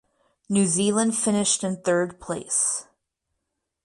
New Zealand finished in third place.